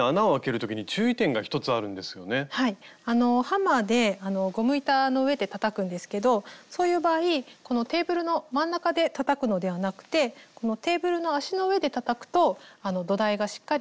ハンマーでゴム板の上でたたくんですけどそういう場合このテーブルの真ん中でたたくのではなくてこのテーブルの脚の上でたたくと土台がしっかりしてあけやすくなります。